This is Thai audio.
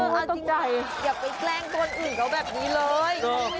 อยากไปแกล้งคนอื่นเขาแบบนี้เลย